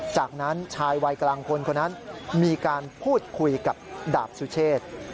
จากนั้นชายวัยกลางคนคนนั้นมีการพูดคุยกับดาบสุเชษ